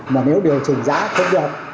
mà nếu điều chỉnh giá không được